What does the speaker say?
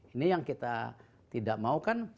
ini yang kita tidak mau kan